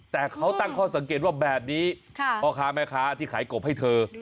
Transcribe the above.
แต่เขาตั้งข้อสังเกตว่าแบบนี้พ่อค้าแม่ค้าที่ขายกบให้เธอ